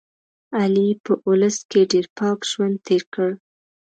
علي په اولس کې ډېر پاک ژوند تېر کړ.